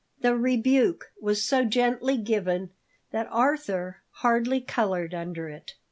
The rebuke was so gently given that Arthur hardly coloured under it.